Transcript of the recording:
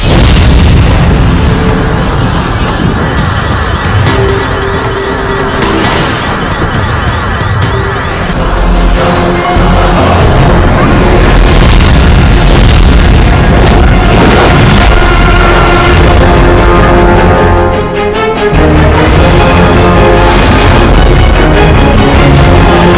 aku tidak ingin melawanmu